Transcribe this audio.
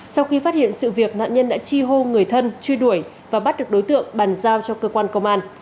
sau khi phát hiện sự việc nạn nhân đã chi hô người thân truy đuổi và bắt được đối tượng bàn giao cho cơ quan công an